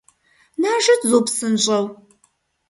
Нажэт, зо, псынщӏэу…